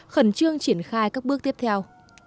khẩn trương triển khai các bước tiếp theo